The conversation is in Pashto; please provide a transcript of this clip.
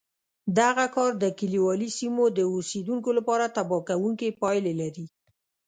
دغه کار د کلیوالي سیمو د اوسېدونکو لپاره تباه کوونکې پایلې لرلې